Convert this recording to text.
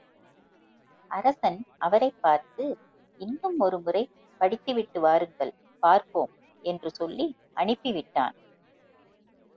அரசன் அவரைப் பார்த்து, இன்னும் ஒரு முறை படித்து விட்டு வாருங்கள், பார்ப்போம் என்று சொல்லி அனுப்பி விட்டான்.